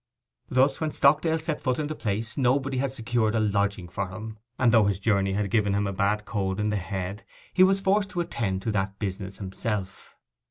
Thus when Stockdale set foot in the place nobody had secured a lodging for him, and though his journey had given him a bad cold in the head, he was forced to attend to that business himself.